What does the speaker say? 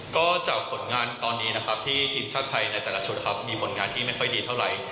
ก็จากผลงานตอนนี้นะครับที่ทีมชาติไทยในแต่ละชุดครับมีผลงานที่ไม่ค่อยดีเท่าไหร่